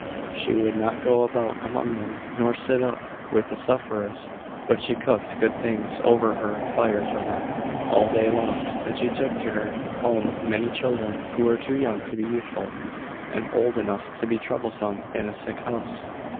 She could not go about among them, nor sit up with the sufferers: but she cooked good things over her fire for them, all day long; and she took to her home many children who were too young to be useful, and old enough to be troublesome in a sick house.